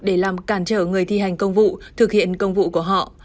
để làm cản trở người thi hành công vụ thực hiện công vụ của họ